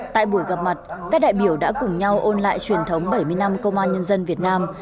tại buổi gặp mặt các đại biểu đã cùng nhau ôn lại truyền thống bảy mươi năm công an nhân dân việt nam